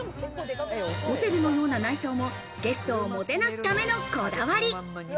ホテルのような内装もゲストをもてなすためのこだわり。